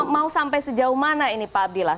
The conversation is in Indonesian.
mau sampai sejauh mana ini pak abdillah